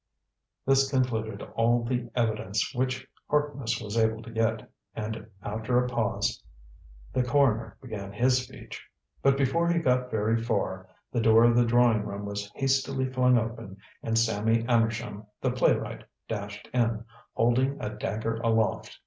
This concluded all the evidence which Harkness was able to get, and after a pause the coroner began his speech. But before he got very far, the door of the drawing room was hastily flung open and Sammy Amersham the playwright dashed in, holding a dagger aloft.